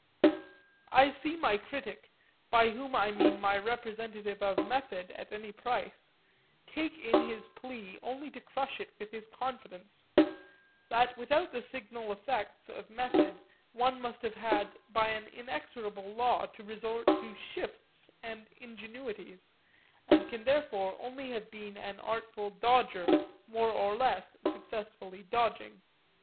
I see my critic, by whom I mean my representative of method at any price, take in this plea only to crush it with his confidence that without the signal effects of method one must have had by an inexorable law to resort to shifts and ingenuities, and can therefore only have been an artful dodger more or less successfully dodging.